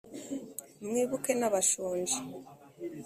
mwibuke n’abashonji